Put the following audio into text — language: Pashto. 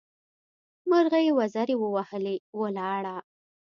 مرغۍ وزرې ووهلې؛ ولاړه.